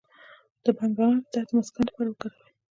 د بنګ دانه د درد د مسکن لپاره وکاروئ